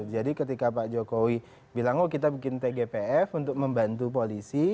jadi ketika pak jokowi bilang oh kita bikin tgpf untuk membantu polisi